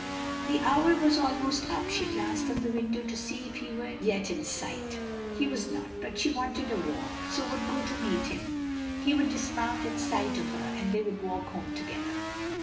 The hour was almost up. She glanced from the window to see if he were yet in sight. He was not, but she wanted a walk, so would go to meet him; he would dismount at sight of her, and they would walk home together.